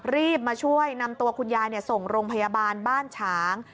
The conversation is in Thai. รีบมาช่วยนำตัวคุณยายส่งโรงพยาบาลบ้านฉาง